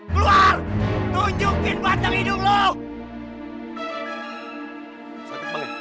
keluar tunjukin batang hidung lo